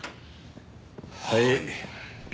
はい。